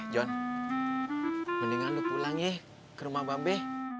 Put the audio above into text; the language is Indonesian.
jon mendingan lo pulang ya ke rumah mbak be